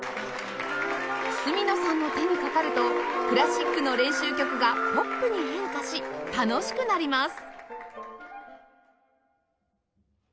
角野さんの手にかかるとクラシックの練習曲がポップに変化し楽しくなります